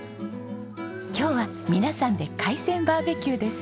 今日は皆さんで海鮮バーベキューです。